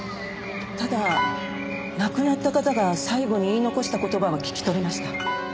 ただ亡くなった方が最後に言い残した言葉は聞き取れました。